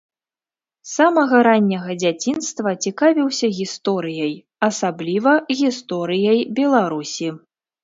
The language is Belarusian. З самага ранняга дзяцінства цікавіўся гісторыяй, асабліва гісторыяй Беларусі.